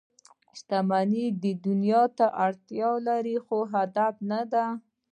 • شتمني د دنیا اړتیا ده، خو هدف نه دی.